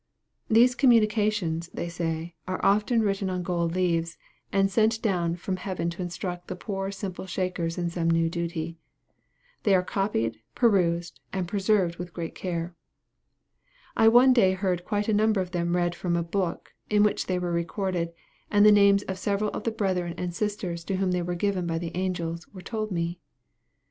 These communications, they say, are often written on gold leaves, and sent down from heaven to instruct the poor simple Shakers in some new duty. They are copied, and perused, and preserved with great care. I one day heard quite a number of them read from a book, in which they were recorded, and the names of several of the brethren and sisters to whom they were given by the angels, were told me.